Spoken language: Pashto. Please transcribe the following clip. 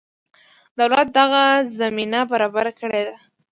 دولت دغه زمینه برابره کړې ده.